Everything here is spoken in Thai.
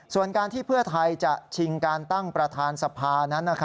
ส่วนการที่เพื่อไทยจะชิงการตั้งประธานสภานั้น